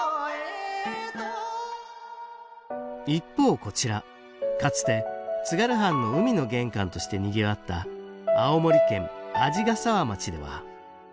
一方こちらかつて津軽藩の海の玄関としてにぎわった青森県鰺ヶ沢町では。